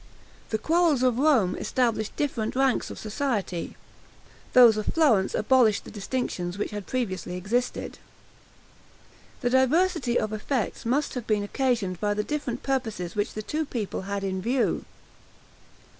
The quarrels of Rome established different ranks of society, those of Florence abolished the distinctions which had previously existed. This diversity of effects must have been occasioned by the different purposes which the two people had in view.